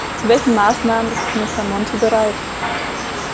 Zu welchen Maßnahmen ist Kommissar Monti bereit?